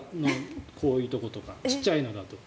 こういうところとかちっちゃいのだと。